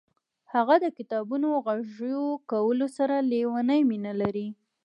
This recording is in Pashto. هغه د کتابونو غږیز کولو سره لیونۍ مینه لري.